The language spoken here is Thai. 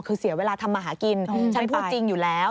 คือเสียเวลาทำมาหากินฉันพูดจริงอยู่แล้ว